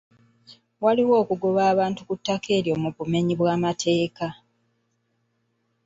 Waaliwo okugoba abantu ku ttaka eryo mu bumenyi bw'amateeka.